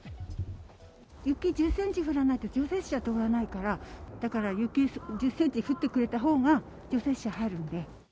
雪１０センチ降らないと除雪車通らないから、だから雪１０センチ降ってくれたほうが、除雪車入るんで。